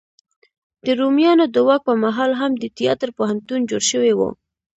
د روميانو د واک په مهال هم د تیاتر پوهنتون جوړ شوی و.